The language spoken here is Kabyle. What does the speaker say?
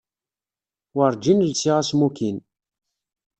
Werǧin lsiɣ asmukin.